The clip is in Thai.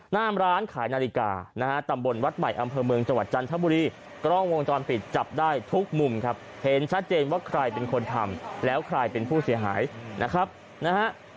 มร้านขายนาฬิกานะฮะตำบลวัดใหม่อำเภอเมืองจังหวัดจันทบุรีกล้องวงจรปิดจับได้ทุกมุมครับเห็นชัดเจนว่าใครเป็นคนทำแล้วใครเป็นผู้เสียหายนะครับนะฮะ